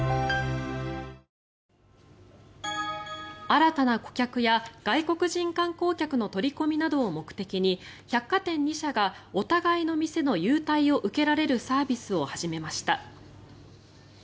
新たな顧客や外国人観光客の取り込みなどを目的に百貨店２社がお互いの店の優待を受けられるサービスを始めました。